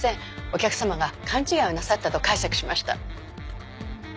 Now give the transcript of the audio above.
お客様が勘違いをなさったと解釈しました。